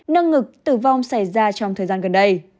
nâng ngực tử vong xảy ra trong thời gian gần đây